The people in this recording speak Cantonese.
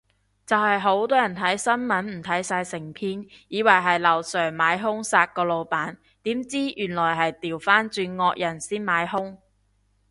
就係好多人睇新聞唔睇晒成篇，以為係樓上買兇殺個老闆，點知原來係掉返轉惡人先買兇